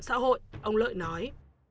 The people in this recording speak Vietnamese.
xã hội ông lợi nói